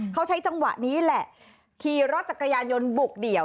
เขาใช้จังหวะนี้แหละขี่รถจักรยานยนต์บุกเดี่ยว